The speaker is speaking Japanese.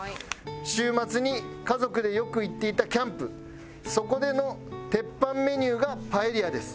「週末に家族でよく行っていたキャンプ」「そこでの鉄板メニューがパエリアです」